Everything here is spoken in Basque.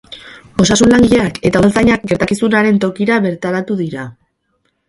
Osasun-langileak eta udaltzainak gertakizunaren tokira bertaratu dira.